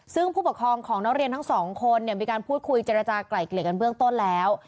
ซึ่งผู้ปกครองของนักเรียนทั้งสองคนเนี่ยมีการพูดคุยเจรจากลายเกลี่ยกันเบื้องต้นแล้ว